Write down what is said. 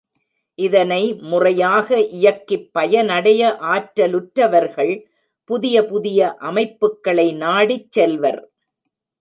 இதனை முறையாக இயக்கிப் பயனடைய ஆற்றலுற்றவர்கள் புதிய புதிய அமைப்புக்களை நாடிச் செல்வர்.